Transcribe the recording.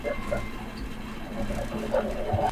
ښيي!.